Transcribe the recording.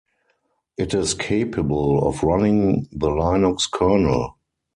It is capable of running the Linux kernel.